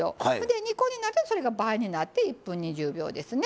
２個になると倍になって１分２０秒ですね。